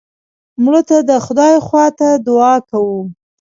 مړه ته د خدای خوا ته دعا کوو